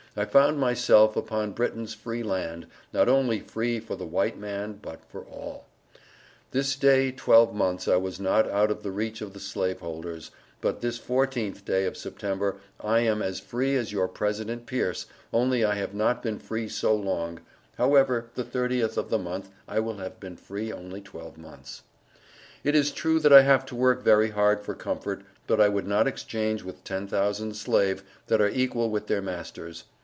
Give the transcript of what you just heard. I found myself upon Briton's free land, not only free for the white man bot for all. this day 12 months I was not out of the reach the slaveholders, but this 14th day of Sept. I am as Free as your President Pearce. only I have not been free so long However the 30th of the month I will have been free only 12 months. It is true that I have to work very hard for comfort but I would not exchange with ten thousand slave that are equel with their masters.